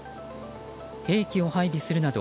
兵器を配備するなど